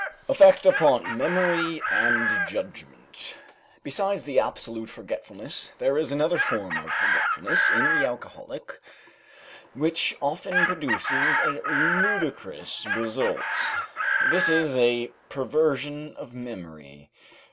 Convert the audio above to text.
EFFECT UPON MEMORY AND JUDGMENT Besides the absolute forgetfulness, there is another form of forgetfulness in the alcoholic which often produces a ludicrous result. This is a perversion of memory.